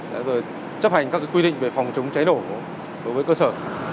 để rồi chấp hành các quy định về phòng chống cháy nổ đối với cơ sở